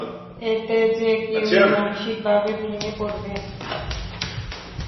এতে যে কেউই মানসিকভাবে ভেঙে পড়বে।